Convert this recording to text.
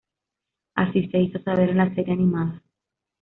Así se hizo saber en la serie animada.